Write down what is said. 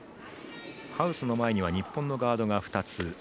ハウスの前には日本のガードが２つ。